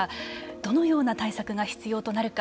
どのような対策が必要となるか